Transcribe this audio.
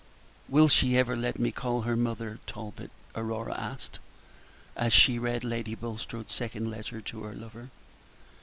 "Will she ever let me call her 'mother,' Talbot?" Aurora asked, as she read Lady Bulstrode's second letter to her lover.